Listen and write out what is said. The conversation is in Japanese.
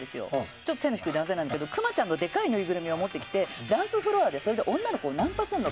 ちょっと背の低い男性だったんだけどクマちゃんのでかいぬいぐるみをもってダンスフロアで女の子をナンパするの。